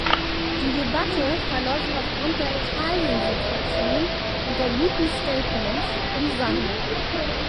Die Debatte verläuft aufgrund der Italiensituation und der guten statements im Sande.